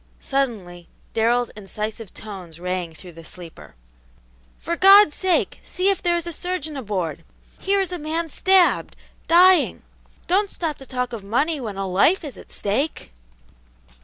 Suddenly, Darrell's incisive tones rang through the sleeper. "For God's sake, see if there is a surgeon aboard! Here is a man stabbed, dying; don't stop to talk of money when a life is at stake!"